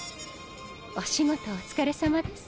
お仕事お疲れさまです。